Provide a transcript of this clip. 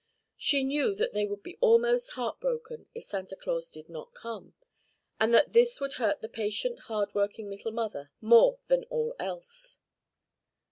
She knew that they would be almost heartbroken if Santa Claus did not come, and that this would hurt the patient hardworking little mother more than all else.